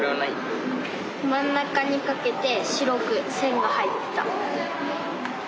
真ん中にかけて白く線が入ってた。